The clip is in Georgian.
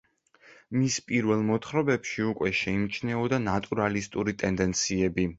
მის პირველ მოთხრობებში უკვე შეიმჩნეოდა ნატურალისტური ტენდენციები.